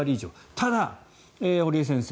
ただ、堀江先生